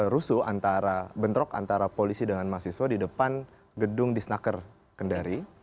rusu antara bentrok antara polisi dengan mahasiswa di depan gedung di snaker kendari